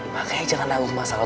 makanya jangan nanggung masalah